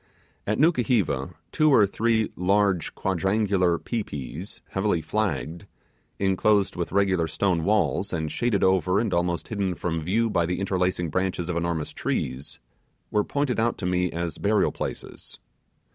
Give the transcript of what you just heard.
At Nukuheva, two or three large quadrangular 'pi pis', heavily flagged, enclosed with regular stone walls, and shaded over and almost hidden from view by the interlacing branches of enormous trees, were pointed out to me as burial places.